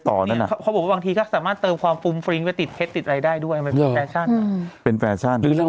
ถึงหมายความว่าเขาพยายามจะบอกว่าผู้หญิงสวยได้มาต่อให้ต่อฟัน